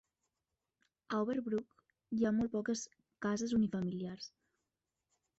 A Overbrook hi ha molt poques cases unifamiliars.